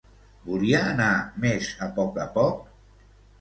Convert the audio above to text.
Volia anar més a poc a poc?